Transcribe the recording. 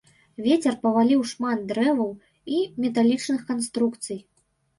Вецер паваліў шмат дрэваў і металічных канструкцый.